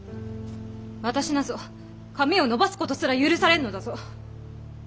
私なぞ髪を伸ばすことすら許されんのだぞ。